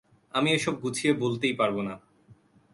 আমি এসব গুছিয়ে বলতেই পারব না।